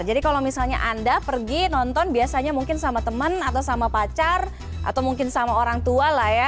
jadi kalau misalnya anda pergi nonton biasanya mungkin sama teman atau sama pacar atau mungkin sama orang tua lah ya